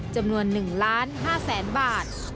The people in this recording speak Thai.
จำนวน๑๕๐๐๐๐๐บาท